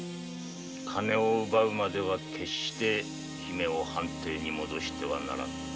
金を奪うまでは姫を藩邸に戻してはならぬ。